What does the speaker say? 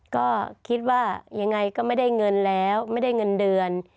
ก็คิดว่ายังไงก็ไม่ได้เงินแล้วไม่ได้เงินเดือน